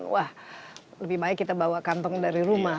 wah lebih baik kita bawa kantong dari rumah